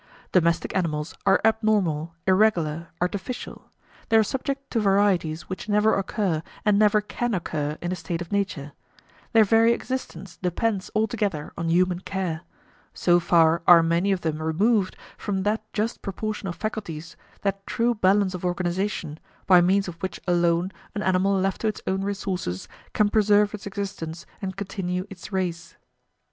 Domestic animals are abnormal, irregular, artificial; they are subject to varieties which never occur and never can occur in a state of nature: their very existence depends altogether on human care; so far are many of them removed from that just proportion of faculties, that true balance of organization, by means of which alone an animal left to its own resources can preserve its existence and continue its race.